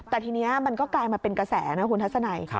แต่ทีนี้มันก็กลายมาเป็นกระแสนะคุณทัศนัย